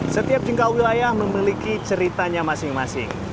setiap jengkal wilayah memiliki ceritanya masing masing